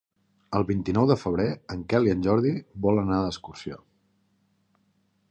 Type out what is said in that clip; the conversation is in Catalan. El vint-i-nou de febrer en Quel i en Jordi volen anar d'excursió.